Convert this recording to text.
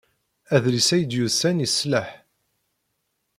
Adlis ay d-yusan yeṣleḥ.